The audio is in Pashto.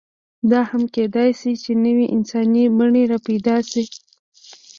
دا هم کېدی شي، چې نوې انساني بڼې راپیدا شي.